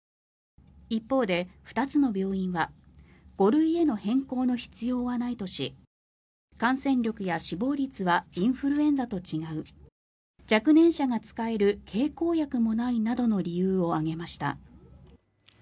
一方で２つの病院は５類への変更の必要はないとし感染力や死亡率はインフルエンザと違う若年者が使える経口薬もないなどの理由を挙げました。